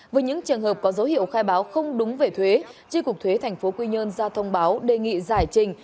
với những trường hợp có dấu hiệu khai báo không đúng về thuế tri cục thuế tp quy nhơn ra thông báo đề nghị giải trình